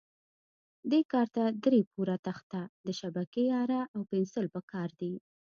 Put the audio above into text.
دې کار ته درې پوره تخته، د شبکې اره او پنسل په کار دي.